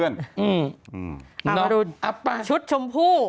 เอาละมาดูชุดชมพู่